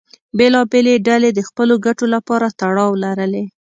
بېلابېلې ډلې د خپلو ګټو لپاره تړاو لرلې.